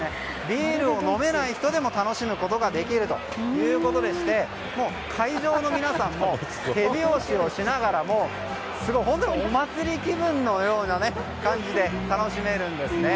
ビールを飲めない人でも楽しむことができるということで会場の皆さんも手拍子をしながら本当にお祭り気分のような感じで楽しめるんですね。